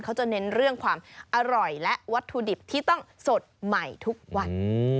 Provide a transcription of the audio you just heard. เขาจะเน้นเรื่องความอร่อยและวัตถุดิบที่ต้องสดใหม่ทุกวัน